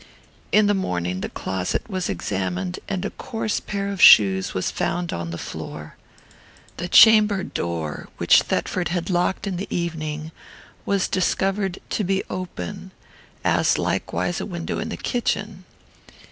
In the morning the closet was examined, and a coarse pair of shoes was found on the floor. The chamber door, which Thetford had locked in the evening, was discovered to be open, as likewise a window in the kitchen.